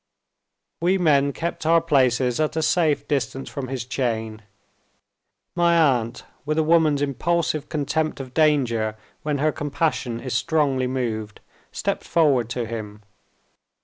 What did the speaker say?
We men kept our places at a safe distance from his chain. My aunt, with a woman's impulsive contempt of danger when her compassion is strongly moved, stepped forward to him.